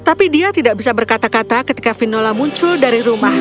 tapi dia tidak bisa berkata kata ketika vinola muncul dari rumah